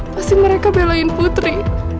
pasti mereka belain putri